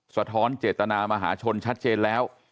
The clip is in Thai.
สะท้อนเจตนามหาชนชัดเจนแล้ว